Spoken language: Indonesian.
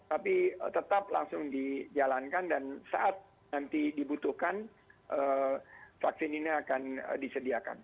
tapi tetap langsung dijalankan dan saat nanti dibutuhkan vaksin ini akan disediakan